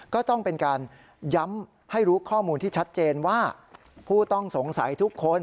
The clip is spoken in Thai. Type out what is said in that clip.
ก็ต้องเป็นการย้ำให้รู้ข้อมูลที่ชัดเจนว่าผู้ต้องสงสัยทุกคน